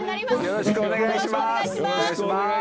よろしくお願いします。